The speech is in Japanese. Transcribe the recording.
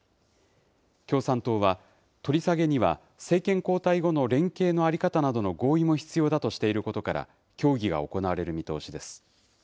共産党は、取り下げには政権交代後の連携の在り方などの合意も必要だとしていることから、協議が行われる見通しです。